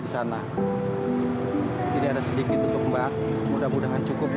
saya permisi mbak